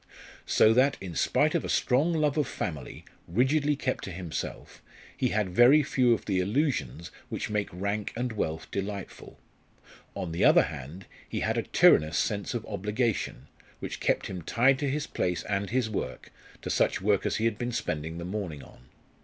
So that, in spite of a strong love of family, rigidly kept to himself, he had very few of the illusions which make rank and wealth delightful. On the other hand, he had a tyrannous sense of obligation, which kept him tied to his place and his work to such work as he had been spending the morning on.